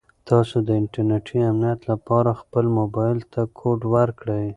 تاسو د انټرنیټي امنیت لپاره خپل موبایل ته کوډ ورکړئ.